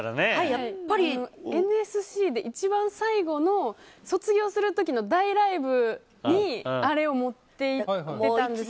やっぱりＮＳＣで一番最後の卒業する時の大ライブにあれを持って行ってたんです。